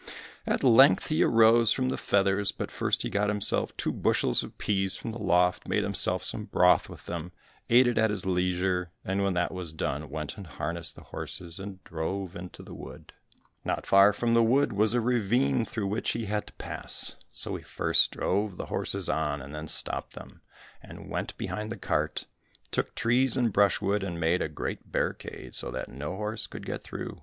At length he arose from the feathers, but first he got himself two bushels of peas from the loft, made himself some broth with them, ate it at his leisure, and when that was done, went and harnessed the horses, and drove into the wood. Not far from the wood was a ravine through which he had to pass, so he first drove the horses on, and then stopped them, and went behind the cart, took trees and brushwood, and made a great barricade, so that no horse could get through.